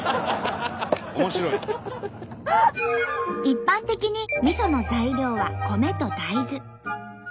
一般的にみその材料は米と大豆。